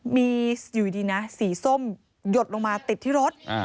มีอยู่ดีนะสีส้มหยดลงมาติดที่รถ